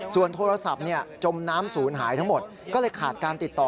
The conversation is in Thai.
ส่วนโทรศัพท์จมน้ำศูนย์หายทั้งหมดก็เลยขาดการติดต่อ